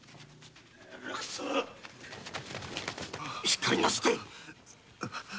しっかりなすって。